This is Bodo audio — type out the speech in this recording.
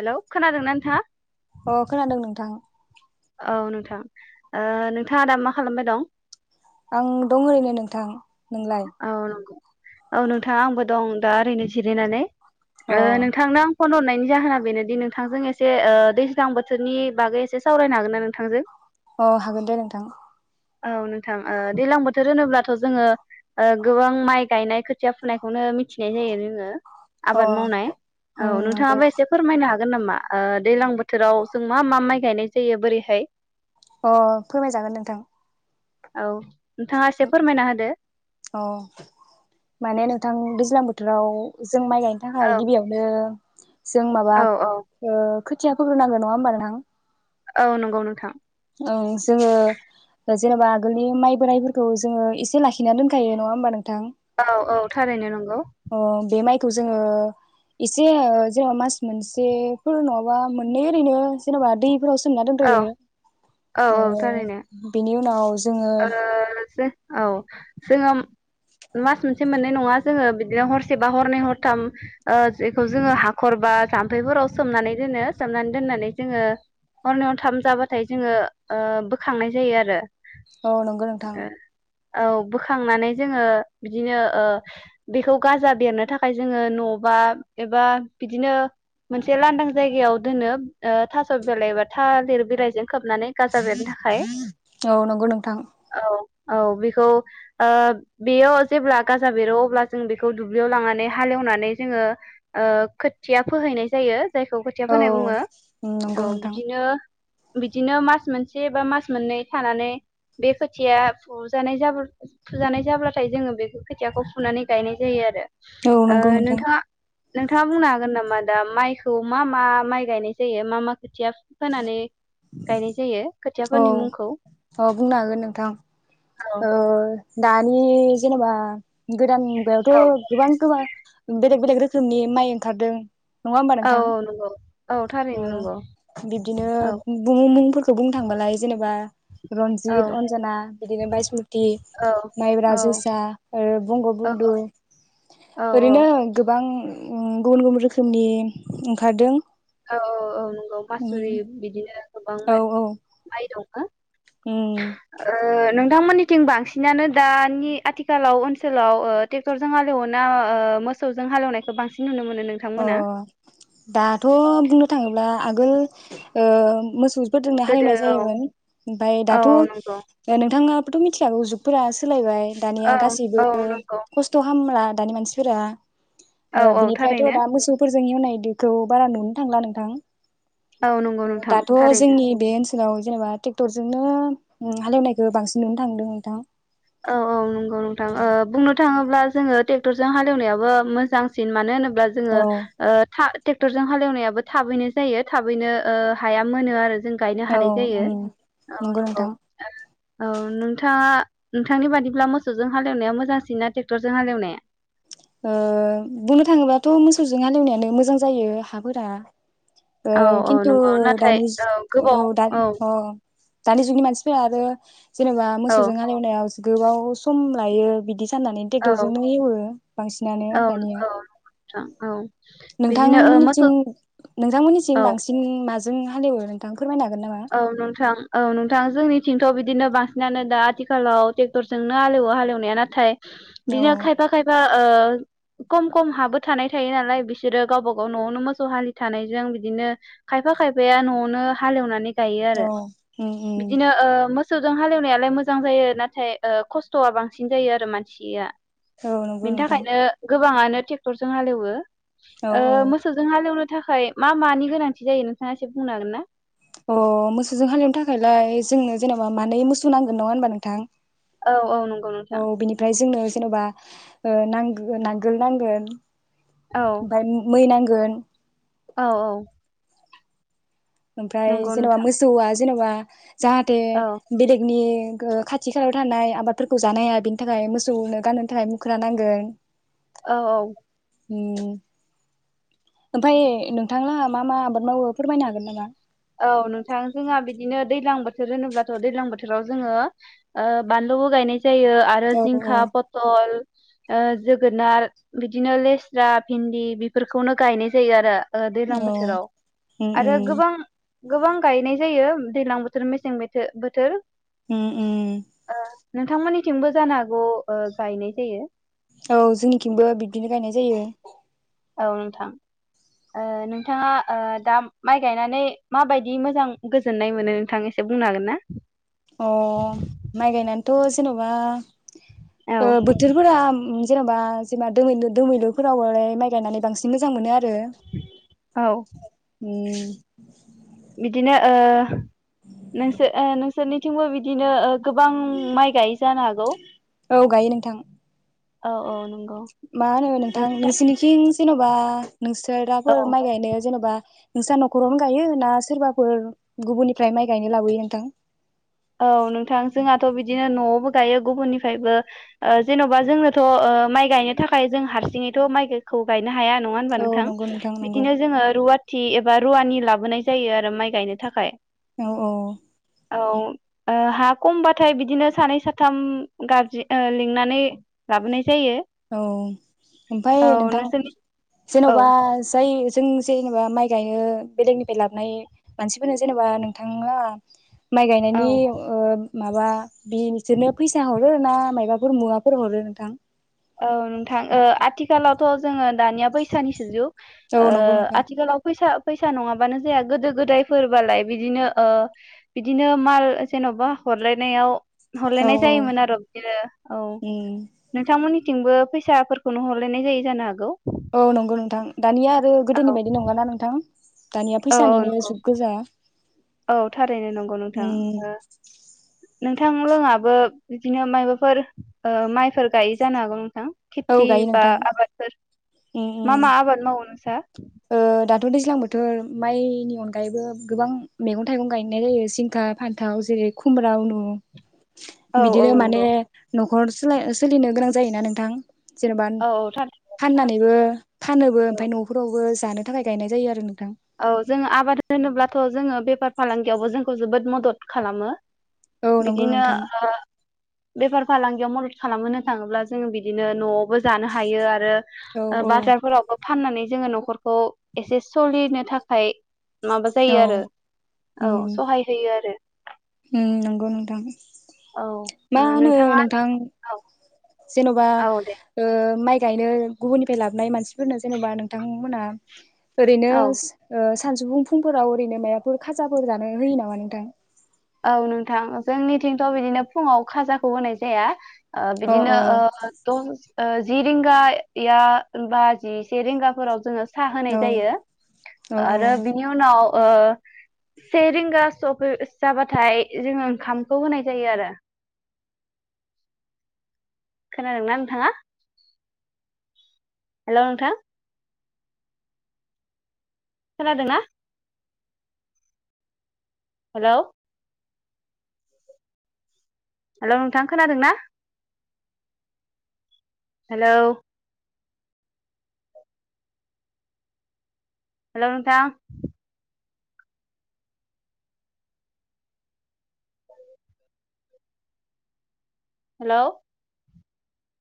हेलौ खोनादोंना नोंथाङा? अ खोनादों नोंथां। औ नोंथां ओ नोंथाङा आदा मा खालामबाय दं? आं दं ओरैनो नोंथां । औ नंगौ औ नोंथाङा आंबो दं। दा इरैनो जिराइनानै अ ओ नोंथांना फन हरनायनि जाहोना बेनोदि नोंथांजों एसे दैज्लां बोथोरनि बागै एसे सावरायनो हागोन ना नोंथांजों। औ हागोन दे नोंथां औ नोंथां दैज्लां बोथोर होनोब्लाथ' जोङो ओ गोबां माइ गायनाय खोथिया फुनायखौनो मिथिनाय जायो जोङो। अ आबाद मावनाय औ उम नंगौ नोंथाङाबो एसे फोरमायनो हागागोन। गोन नामा दैज्लां बोथोराव जों मा मा माइ गायनाय जायो बोरैहाय? अ फोरमायजागोन नोंथां। औ। नोंथाङा एसे फोरमायना होदो अ माने नोंथां दैज्लां बोथोराव जों माइ गायनो औ थाखाय गिबियावनो जों माबा औ औ ओ खोथिया फोग्रो‌नांगोन नङा होमबा नोंथां? औ नंगौ नोंथां ओं जोङो जेनेबा आगोलनि माइ बोरायफोरखौ जोङो एसे लाखिना दोनखायो नङा होमबा नोंथां? औ औ थारैनो नंगौ। अ बे माइखौ जोङो एसे जेनेबा मास मोनसेफोर नङाबा मोननै ओरैनो जेनेबा दैफोरावो औ दोनथयो औ ओ औ थारैनो बेनि उनाव उनाव [unintelligible] औ जोङो मास मोनसे मोननै नङा जोङो बिदिनो हरसे बा हरनै हरथाम ओ बेखौ जोङो हाखर बा जाम्फैफोराव सोमनानै दोनो सोमनानै दोननानै जोङो हरनै हरथाम जाबाथाय जोङो ओ बोखांनाय जायो आरो औ नंगौ नोंथां। ओ औ बोखांनानै जोङो बिदिनो ओ बेखौ गाजा बेरनो थाखाय जोङो न बा एबा बिदिनो मोनसे लांदां जायगायाव दोनो ओ थास' बिलाइ एबा थालिर बिलाइजों खोबनानै गाजा बेरनो थाखाय। औ नंगौ नोंथां। औ औ बेखौ ओ बेयाव जेब्ला गाजा बेरो अब्ला जों बेखौ दुब्लियाव लांनानै हालेवनानै जोङो ओ खोथिया फोहैनाय जायो। जायखौ खोथिया औ फोनाय बुङो नंगौ औ नोंथां बिदिनो बिदिनो मास मोनसे बा मास मोननै थानानै बे खोथिया फुजानाय जाबो फुजानाय जाब्लाथाय जोङो बे खोथियाखौ फुनानै गायनाय जायो आरो। औ ओ नंगौ नोंथां। नोंथाङा नोंथाङा बुंनो हागोन नामा दा माइखौ मा मा माइ गायनाय जायो मा मा? खोथिया फोनानै गायनाय जायो औ खोथियाफोरनि मुंखौ औ बुंनो हागोन नोंथां औ ओ दानि जेनेबा गोदान औ मुगायावथ' गोबां गोबां बेलेग बेलेग रोखोमनि माइ ओंखारदों। नङा होमबा औ नोंथां औ नंगौ औ अ थारैनो नंगौ। बिब्दिनो औ बुं मुंफोरखौ बुंनो थांबालाय जेने बा औ रनजित अनजना बिदिनो बायसमुति औ माइब्रा औ जोसा बंग औ बुन्दु औ ओरैनो गोबां ओ गुबुन गुबुन रोखोमनि ओंखारदों औ औ औ औ ओम। औ मासुरि बिदिनो गोबां माइ माइ दं। हो ओम। नोंथांमोननिथिं बांसिनानो दानि आथिखालाव ओनसोलाव ओ टेक्टरजों हालेवयो ना ओ मोसौजों हालेवनायखौ बांसिन नुनो मोनो? अ नोंथांमोना? दाथ' बुंनो थाङोब्ला आगोल ओ मोसौ गोदोना गोदो हालेवनाय जायोमोन। औ औ औ नंगौ बोथ' मिथिखागौ जुगफोरा सोलायबाय दानिया औ गासैबो औ नंगौ खस्थ' खामला दानि मानसिफोरा औ औ थारै थ दा मोसौफोरजों एवनायदो खौ बारा नुनो थांला नोंथां। औ नंगौ ओ नोंथां दाथ' थारैनो जोंनि बे ओनसोल औ जेनेबा टेक्टरजोंनो उम हालेवनायखौ बांसिन नुनो थांदों नोंथां। औ औ नंगौ नोंथां ओ बुंनो थाङोब्ला जोङो टेक्टरजों हालौनायाबो मोजांसिन मानो होनो जोङो औ ओ था ट्रेक्टरजों हालौनायाबो थाबैनो जायो थाबैनो ओ हाया मोनो आरो जों गायनो औ हानाय जायो उम औ नंगौ ओ औ नोंथाङा नोंथांनि बादिब्ला मोसौजों हालेवनाया मोजांसिन ना ट्रेक्टरजों हालेवनाया? ओ बुंनो थाङोबाथ' मोसौजों हालेवनायानो मोजां जायो हाफोरा। ओ औ औ खिन्थु नंगौ नाथाय दानिस औ गोबाव दा अ' दानि जुगनि मानसिफोरा आरो जेनेबा औ मोसौजों हालेवनायाव गोबाव सम लायो बिदि साननानै औ ट्रेक्टरजोंनो एवो। सिनानो औ दानिया नोंथां औ बिदिनो ओ मोसौ नोंथांमोननिथिं नोंथांमोनिथिं औ बांसिन माजों हालेवो नोंथां? फोरमायनो हागोन नामा? औ नोंथां औ नोंथां जोंनिथिंथ' बिदिनो बांसिनानो दा आथिखालाव ट्रेक्टरजोंनो हालेवो हालेवनाया नाथाय औ बिदिनो खायफा खायफा ओ खम खम हाबो थानाय थायो नालाय बिसोरो गावबा गाव न'आवनो मोसौ हालि थानायजों बिदिनो खायफा खायफाया न'आवनो हालेवनानै गायो औ आरो उम उम बिदिनो ओ मोस सौजों हालेवनायालाय मोजां जायो नाथाय खस्थ'आ बांसिन जायो आरो मानसिया। औ नोंगौ नोंथां। बाङानो ट्रेक्टरजों हालेवो। औ औ ओ मोसौजों हालेवनो थाखाय मा मानि गोनांथि जायो नोंथाङा एसे बुंनो हागोन ना? अ' मोसौजों हालेवनो थाखायलाय जोंनो जेनेबा मानै मोसौ नांगोन नङा होनबा नोंथां? औ औ नंगौ औ नोंथां बिनिफ्राय जोंनो जेनबा ओ नां-नांगोल नांगोन। औ ओमफ्राय मै नां गोन औ औ ओमफ्राय नंगौ जेनेबा नोंथां मोसौआ जेनबा जाहाथे औ बेलेगनि खाथि खालायाव थानाय आबादफोरखौ जानो हाया बेनि थाखाय मोसौनो गानो थाखाय मुक्रा नांगोन। औ औ उम ओमफाय नोंथां लाहा मा मा आबाद मावो फोरमायनो हागोन नामा? औ नोंथां जोंहा बिदिनो दैज्लां बोथोर होनोब्लाथ' दैज्लां बोथोराव जोङो ओ बानलुबो गायनाय जायो आरो औ जिंखा पतल। ओ जोगोनार बिदिनो लेस्रा भिन्दि बिफोरखौनो गायनाय जायो आरो। ओ दैज्लां औ बोथोराव उम आरो उम गोबां गोबां गायनाय जायो दैलां बोथोर मेसें मेथो बोथोर। उम उम ओ नोंथांमोननिथिंबो जानो हागौ ओ गायनाय जायो। औ जोंनिखिंबो बिब्दिनो गायनाय जायो। औ नोंथां। ओ नोंथाङा ओ दा माइ गायनानै माबायदि मोजां गोजोननाय मोनो नोंथां एसे बुंनो हागोन ना? अ माइ गायनान थ जेनबा औ ओ बोथोरफोरा उम जेन'बा जिमा दोमैलु दमैलुफोरावबालाय माइ गायनानै बांसिन मोजां मोनो आरो। औ [inaudible] बिदिनो ओ नोंसोर ओ नोंसोरनिथिंबो बिदिनो ओ गोबां माइ गायो जानो हागौ? औ गायो नोंथां। औ औ नं मा होनो नोंथां नोंसोरनिखिं जेन'बा औ नोंसोराफोर माइ गायनायाव जेन'बा नोंस्रा नख'रावनो गायो ना सोरबाफोर गुबुननिफ्राय माइ गायनो लाबोयो नोंथां? औ नोंथां जोंहा त बिदिनो नआवबो गायो गुबुननिफ्रायबो ओ जेन'बा जोंनोथ' ओ माइ गायनो थाखाय जों हारसिङैथ' माइखौ गाय ना हाया नङा होनबा औ नोंथां नंगौ नंगौ बिदिनो जोङो रुवाथि एफ बा रुवानि लाबोनाय जायो आरो माइ गायनो थाखाय। औ औ औ। औ ओ हा कमबाथाय बिदिनो सानै साथाम गाबज्रि ओ लिंनानै लाबोनाय जायो औ ओमफाय औ नोंथां नोंसोरनि औ जेन'बा जायो जों जेनेबा माइ गायो बेलेगनिफ्राय लाबोनाय मानसिफोरनो जेनेबा नोंथालाहा माइ गायनायनि औ ओ माबा बि बिसोरनो फैसा ह रो ना मायबाफोर मुवाफोर हरो नोंथां? खालावथ' जोङो दानिया फैसानिसो जुग औ ओ नंगौ नोंथां आथिखालाव फैसा फैसा नङाबानो जाया गोदो गोदायफोरबालाय बिदिनो ओ बिदिनो माल जेनबा हरलायनायाव औ हरलायनाय औ जायोमोन आरो बिदिनो औ उम नोंथांमोननि थिंबो फैसाफोरखौनो हरलायनाय जायो जानो हागौ? औ नंगौ नोंथां दानिया आरो औ गोदोनि बायदि नंला ना नोंथां। दानिया औ औ फैसानिनो नंगौ जुग गोजा। औ थारैनो नंगौ नोंथां उम ओ । नोंथांमोनाबो बिदिनो मायाबाफोर ओ माइफोर गायो जानो हागौ नोंथां? औ खेथि गायो बा नोंथां आबादफोर उम उम मा मा आबाद मावो नोंस्रा? ओ दाथ दैज्लां बोथोर माइनि अनगायैबो गोबां मैगं थाइगं गायनाय जायो जिंखा फान्थाव जेरै खुम्रा उनु औ औ बिदिनो माने नंगौ हर [unintelligible] सोलिनो गोनां जायोना नोंथां? जेनेबा औ औ थारैनो नोंथां फाननानैबो फानोबो ओमफ्राय न'फोराव जानो थाखाय गायनाय जायो आरो नों औ जोङो आबाद होनोब्लाथ जोङो बेफार फालांगियावबो जोंखौ जोबोद मदद खालामो औ । नंगौ बिदिनो नोंथां ओ बेफार फालांगियाव खालामहोनो थाङोब्ला जोंङो बिदिनो नआवबो जानो हायो आरो औ ओ औ बाजारफोरावबो फाननानै जोङो नखरखौ एसे सलिनो थाखाय माबा औ जायो आरो उम औ सहाय होयो आरो उम नंगौ नोंथां । औ नोंथाङा औ । जेनबा ओ माइ गायनो गुबुननिफ्राय लाबोनाय मानसिफोरनो जेनेबा नोंथांमोना ओरैनो औ ओ सानजुफु फुंफोराव ओरैनो माबाफोर खाजाफोर जानो होयो नामा नोंथां? औ नोंथां जोंनिथिंथ बिदिनो फुङाव खाजाखौ होनाय जाया । ओ अ बिदिनो अ ओ दस ओ जि रिंगाया बा जिसे रिंगाफोराव जोङो साहा होनाय औ जायो औ आरो औ बिनि उनाव ओ से रिंगा [unintelligible] सफै जाबाथाय जोंङो ओंखामखौ होनाय जायो आरो। खोनादोंना नोंथाङा हेलौ नोंथां खोनादोंना हेलौ हेलौ नोंथां खोनादों ना हेलौ हेलौ नोंथां हेलौ